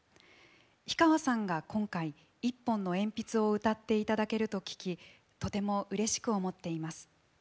氷川さんが今回『一本の鉛筆』を歌っていただけると聞きとてもうれしく思っています。